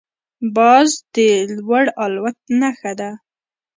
باز د لوړ الوت نښه ده